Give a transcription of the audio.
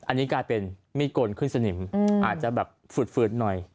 อันนี้กลายเป็นมีดกลขึ้นสนิมอาจจะแบบฝืดหน่อย